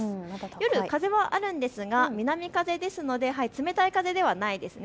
夜、風はあるんですが南風ですので、冷たい風ではないですね。